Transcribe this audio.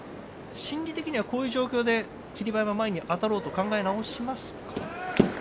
心理的にはこういう状況で霧馬山、前にいこうと思いますか。